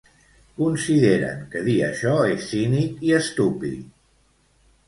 Consideren que dir això és cínic i estúpid.